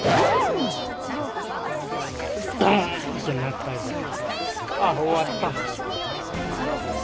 どーんって鳴ったじゃん。